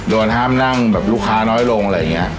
ห้ามนั่งแบบลูกค้าน้อยลงอะไรอย่างนี้